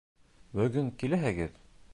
Бөгөн киләһегеҙ?